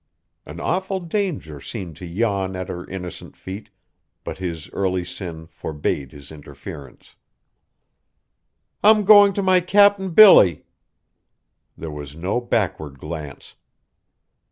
An awful danger seemed to yawn at her innocent feet, but his early sin forbade his interference. "I'm going to my Cap'n Billy!" There was no backward glance.